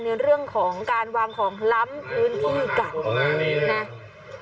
ในเรื่องของการวางของล้ำพื้นที่กันนะ